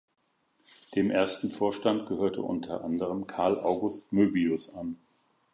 Dem ersten Vorstand gehörte unter anderem Karl August Möbius an.